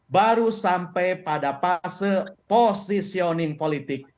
baru sampai pada fase posisioning politik